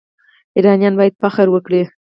ایرانیان باید فخر وکړي.